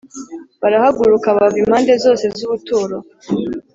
Barahaguruka bava impande zose z ubuturo